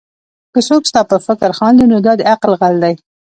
که څوک ستا پر فکر خاندي؛ نو دا د عقل غل دئ.